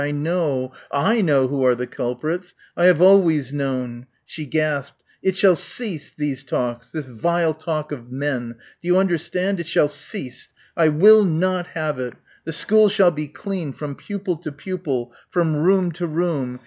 "I know, I know who are the culprits. I have always known." She gasped. "It shall cease these talks this vile talk of men. Do you understand? It shall cease. I will not have it.... The school shall be clean ... from pupil to pupil ... from room to room....